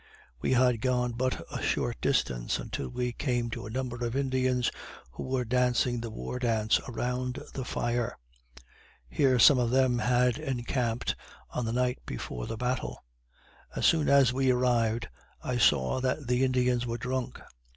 We had gone but a short distance until we came to a number of Indians who were dancing the war dance around the fire. Here some of them had encamped on the night before the battle. As soon as we arrived, I saw that the Indians were drunk.